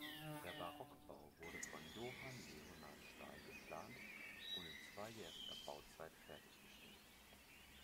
Der barocke Bau wurde von Johann Leonhard Stahl geplant und in zweijähriger Bauzeit fertiggestellt.